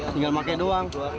tinggal pake doang